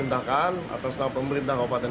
untuk menjalani program penurunan berat badan